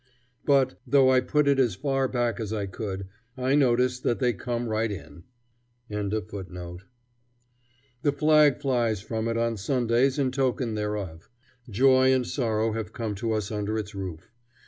But, though I put it as far back as I could, I notice that they come right in.] The flag flies from it on Sundays in token thereof. Joy and sorrow have come to us under its roof.